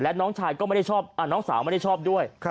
และน้องชายก็ไม่ได้ชอบน้องสาวไม่ได้ชอบด้วย